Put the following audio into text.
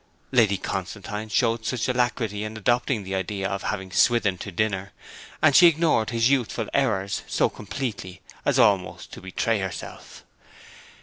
Lady Constantine showed such alacrity in adopting the idea of having Swithin to dinner, and she ignored his 'youthful errors' so completely, as almost to betray herself.